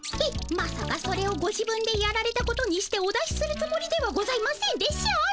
まさかそれをご自分でやられたことにしてお出しするつもりではございませんでしょうね。